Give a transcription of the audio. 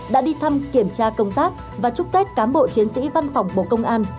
đã đi thăm kiểm tra công tác và chúc tết cán bộ chiến sĩ văn phòng bộ công an